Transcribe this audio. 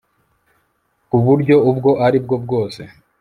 ku buryo ubwo ari bwo bwose